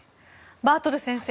バートル先生